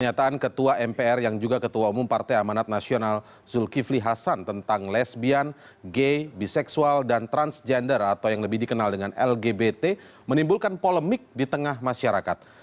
pernyataan ketua mpr yang juga ketua umum partai amanat nasional zulkifli hasan tentang lesbian gay biseksual dan transgender atau yang lebih dikenal dengan lgbt menimbulkan polemik di tengah masyarakat